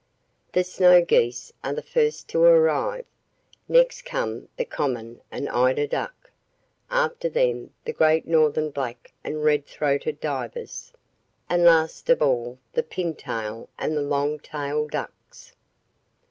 The snow geese are the first to arrive; next come the common and eider duck; after them the great northern black and red throated divers; and last of all the pin tail and the long tail ducks.